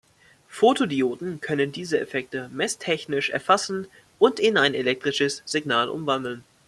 Photodioden können diese Effekte messtechnisch erfassen und in ein elektrisches Signal umwandeln.